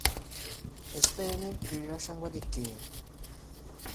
স্পেনের ক্রীড়া সাংবাদিক কে?